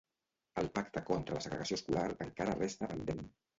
El pacte contra la segregació escolar encara resta pendent.